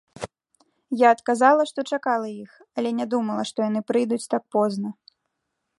Я адказала, што чакала іх, але не думала, што яны прыйдуць так позна.